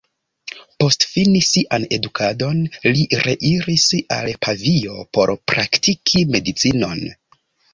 Post fini sian edukadon li reiris al Pavio por praktiki medicinon.